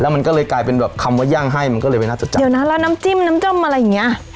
มันก็เลยกลายเป็นแบบคำว่าย่างให้มันก็เลยไม่น่าจะจำเดี๋ยวนะแล้วน้ำจิ้มน้ำจ้มอะไรอย่างเงี้ย